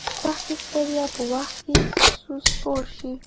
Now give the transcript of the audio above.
سختي ستړیا په وخت کې سپور شي.